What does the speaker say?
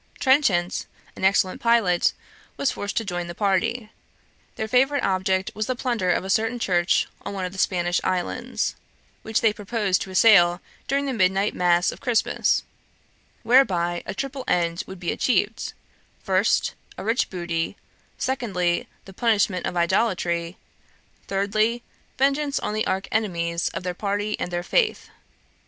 Trenchant, an excellent pilot, was forced to join the party. Their favorite object was the plunder of a certain church on one of the Spanish islands, which they proposed to assail during the midnight mass of Christmas, whereby a triple end would be achieved: first, a rich booty; secondly, the punishment of idolatry; thirdly, vengeance on the arch enemies of their party and their faith.